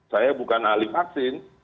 saya bukan ahli vaksin